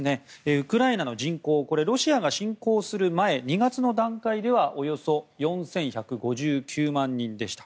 ウクライナの人口はロシアが侵攻する前の２月の段階ではおよそ４１５９万人でした。